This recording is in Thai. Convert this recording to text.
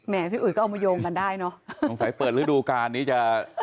พี่อุ๋ยก็เอามาโยงกันได้เนอะสงสัยเปิดฤดูการนี้จะ